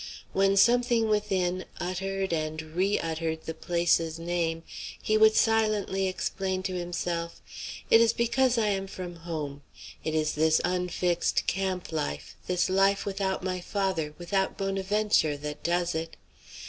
When something within uttered and re uttered the place's name, he would silently explain to himself: "It is because I am from home. It is this unfixed camp life, this life without my father, without Bonaventure, that does it.